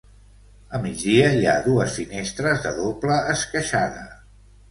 A migdia hi ha dues finestres de doble esqueixada.